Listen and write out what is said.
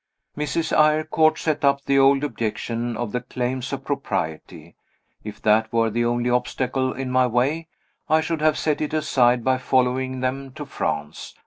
Mrs. Eyrecourt set up the old objection of the claims of propriety. If that were the only obstacle in my way, I should have set it aside by following them to France.